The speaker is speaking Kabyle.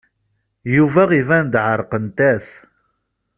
Yuba iban-d ɛerqent-as.